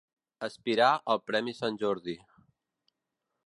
Aspirar al premi Sant Jordi.